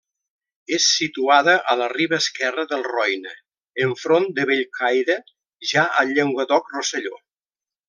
És situada a la riba esquerra del Roine, enfront de Bellcaire, ja al Llenguadoc-Rosselló.